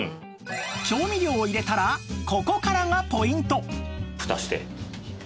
調味料を入れたらここからがポイント！